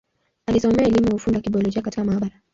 Alisomea elimu ya ufundi wa Kibiolojia katika maabara.